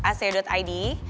sisi itu adalah mptn ac id